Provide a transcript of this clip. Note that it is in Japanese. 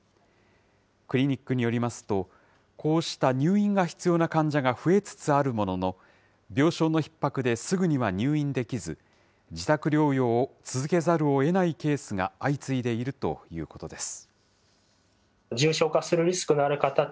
クリニックによりますと、こうした入院が必要な患者が増えつつあるものの、病床のひっ迫で、すぐには入院できず、自宅療養を続けざるをえないケースが相次いでいるということです。